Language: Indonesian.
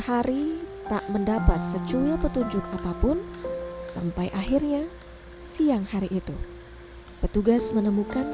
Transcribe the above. hari tak mendapat seculia petunjuk apapunx gathered sampai akhirnya siang hari itu petugas menemukan